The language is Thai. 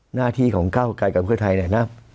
หน้าที่ของข้าวไกรกับพฤอาทัย